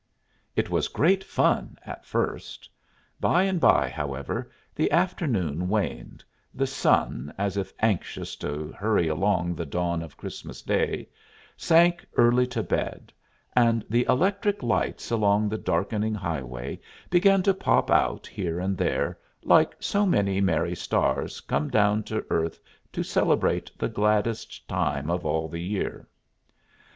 It was great fun, at first. By and by, however, the afternoon waned; the sun, as if anxious to hurry along the dawn of Christmas Day, sank early to bed; and the electric lights along the darkening highway began to pop out here and there, like so many merry stars come down to earth to celebrate the gladdest time of all the year.